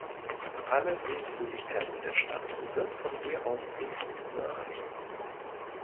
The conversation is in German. Alle Sehenswürdigkeiten der Stadt sind von hier aus zu Fuß zu erreichen.